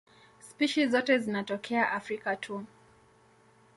Spishi zote zinatokea Afrika tu.